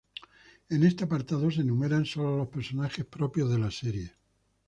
En este apartado se enumeran solo los personajes propios de la serie.